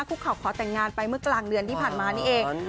คุกเขาขอแต่งงานไปเมื่อกลางเดือนที่ผ่านมานี่เอง